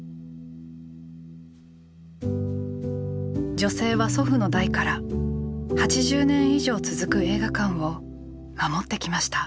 女性は祖父の代から８０年以上続く映画館を守ってきました。